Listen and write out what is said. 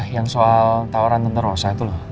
yang soal tawaran tentara rosa itu loh